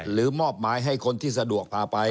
มอบหมายให้คนที่สะดวกพาไป